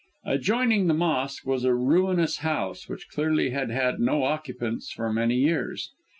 Adjoining the mosque, was a ruinous house, which clearly had had no occupants for many years.